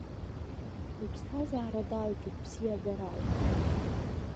Иԥсҭазаара далгеит бзиабарала.